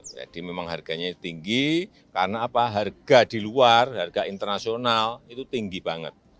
jadi memang harganya tinggi karena harga di luar harga internasional itu tinggi banget